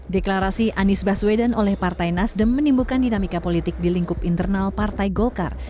deklarasi anies baswedan oleh partai nasdem menimbulkan dinamika politik di lingkup internal partai golkar